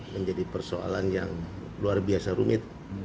menjadi persoalan yang luar biasa rumit